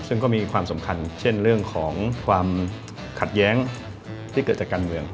ซึ่งก็มีความสำคัญเช่นเรื่องของความขัดแย้งที่เกิดจากการเมือง